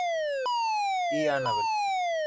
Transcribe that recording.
Y Annabel.